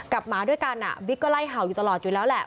หมาด้วยกันบิ๊กก็ไล่เห่าอยู่ตลอดอยู่แล้วแหละ